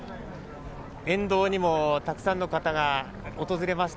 沿道にも、たくさんの方が訪れました。